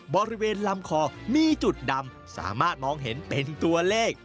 บริเวณลำคอมีจุดดำสามารถมองเห็นเป็นตัวเลข